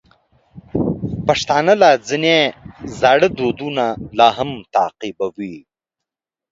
پښتانه ځینې زاړه دودونه لا هم تعقیبوي.